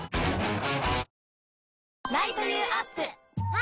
あ！